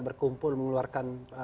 berkumpul mengeluarkan pendapat